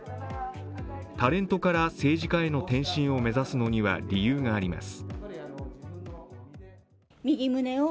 タレントから政治家への転身を目指すのには理由があります。